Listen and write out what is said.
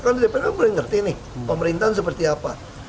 kalau dpr kan boleh ngerti nih pemerintahan seperti apa